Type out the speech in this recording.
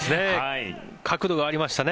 角度がありましたね。